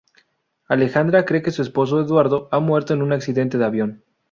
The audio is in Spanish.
Alejandra cree que su esposo Eduardo ha muerto en un accidente de avión.